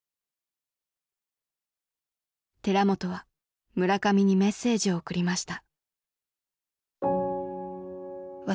寺本は村上にメッセージを送りました。